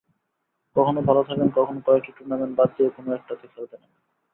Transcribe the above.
কখনো ভালো থাকেন, কখনো কয়েকটি টুর্নামেন্ট বাদ দিয়ে কোনো একটাতে খেলতে নামেন।